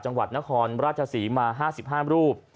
จังหวัดนครราชศรีมา๕๕รูป